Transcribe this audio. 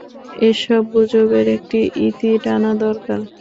এসব গুজবের একটা ইতি টানা দরকার।